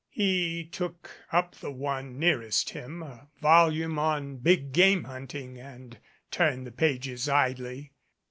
He took up the one nearest him, a volume on big game hunting, and turned the pages idly.